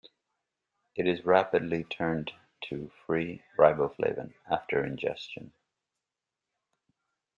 It is rapidly turned to free riboflavin after ingestion.